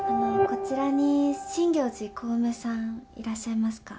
こちらに真行寺小梅さんいらっしゃいますか？